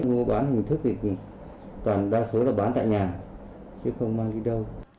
mua bán hình thức thì toàn đa số là bán tại nhà chứ không mang đi đâu